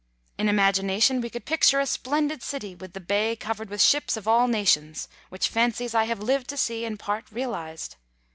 In imagination we could picture a splendid city, with the bay covered with ships of all nations, which fancies I have lived to see in part realized.